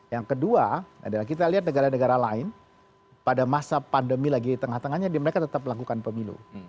yang kedua adalah kita lihat negara negara lain pada masa pandemi lagi di tengah tengahnya mereka tetap melakukan pemilu